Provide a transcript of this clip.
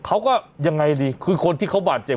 เขาก็ยังไงดีคือคนที่เขาบาดเจ็บ